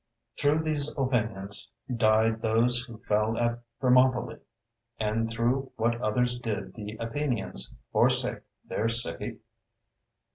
Through these opinions died those who fell at Thermopylæ, and through what others did the Athenians forsake their city?